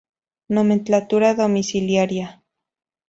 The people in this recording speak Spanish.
Nomenclatura domiciliaria.